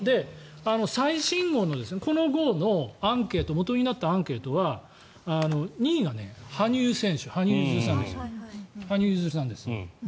最新号の、この号のアンケートもとになったアンケートは２位が羽生結弦さんです。